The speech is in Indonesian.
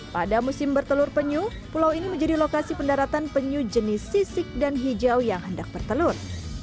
pada musim bertelur penyu pulau ini menjadi lokasi pendaratan penyu jenis sisik dan hijau yang hendak bertelur